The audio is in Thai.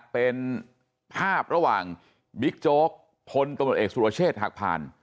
เป็นภาพระหว่างบิ๊กโจ๊กพลตำรวจเอกสุรเชษฐ์หักผ่าน